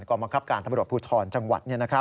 กว่ามังคับการธรรมดิบทรภูทรจังหวัด